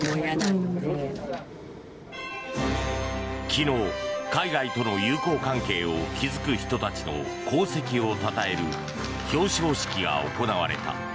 昨日、海外との友好関係を築く人たちの功績をたたえる表彰式が行われた。